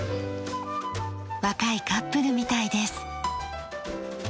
若いカップルみたいです。